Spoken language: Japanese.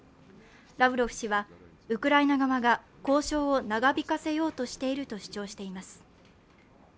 ラブロフ氏は、ウクライナ側が交渉を長引かせようとしていると主張しています。